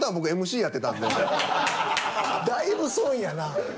だいぶ損やなぁ。